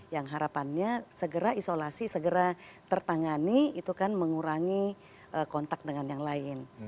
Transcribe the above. yang harapannya segera isolasi segera tertangani itu kan mengurangi kontak dengan yang lain